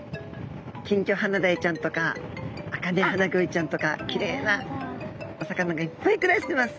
キンキョハナダイちゃんとかアカネハナゴイちゃんとかきれいなお魚がいっぱい暮らしてます。